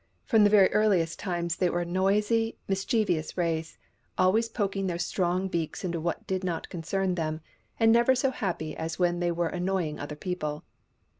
From the very earhest times they were a noisy, mischievous race, always poking their strong beaks into what did not concern them, and never so happy as when they were annoy ing other people.